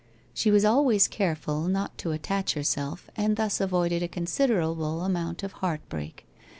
She was al ways careful not to attach herself, and thus avoided a considerable amount of heart break.